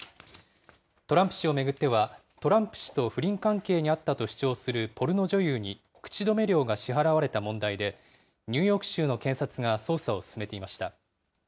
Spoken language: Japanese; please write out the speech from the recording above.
トランプ氏を巡っては、トランプ氏と不倫関係にあったと主張するポルノ女優に口止め料が支払われた問題で、ニューヨーク州の検察が捜査を進めていました。